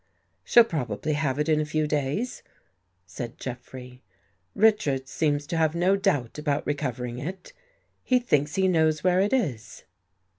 " She'll probably have It In a few days," said Jeffrey. " Richards seems to have no doubt about recovering It. He thinks he knows where It Is."